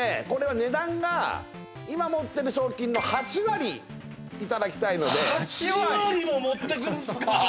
これは値段が今持ってる賞金の８割いただきたいので８割も持ってくんすか！？